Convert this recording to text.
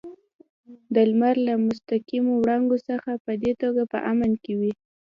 د لمر له مستقیمو وړانګو څخه په دې توګه په امن کې وي.